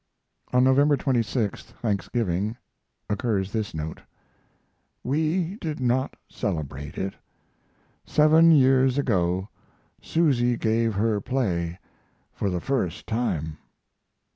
On November 26th, Thanksgiving, occurs this note: "We did not celebrate it. Seven years ago Susy gave her play for the first time."